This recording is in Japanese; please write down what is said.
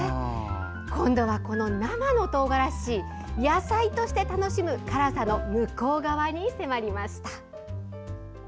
今度は生のトウガラシ野菜として楽しむ辛さの向こう側に迫りました。